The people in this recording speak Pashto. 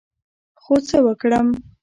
خو څه وکړم،